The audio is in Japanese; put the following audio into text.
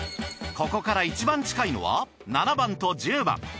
ここから一番近いのは７番と１０番。